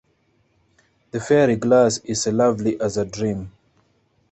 The fairy glass is as lovely as a dream.